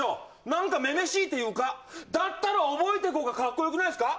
何かめめしいっていうかだったら覚えてく方がかっこよくないですか？